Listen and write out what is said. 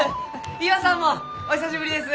岩さんもお久しぶりです！